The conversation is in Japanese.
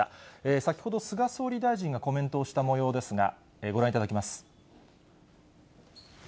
先ほど、菅総理大臣がコメントをしたもようですが、ご覧いただきます。